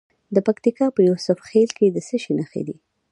د پکتیکا په یوسف خیل کې د څه شي نښې دي؟